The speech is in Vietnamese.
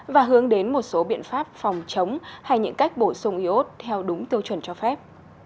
và hướng đến một số biện pháp phòng chống hay những cách bổ sung iốt theo đúng tiêu chuẩn cho phép